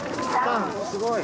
すごい！